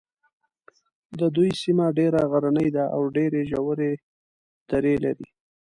د دوی سیمه ډېره غرنۍ ده او ډېرې ژورې درې لري.